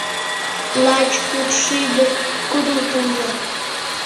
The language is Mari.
Лач кудшӱдӧ кудло теҥге.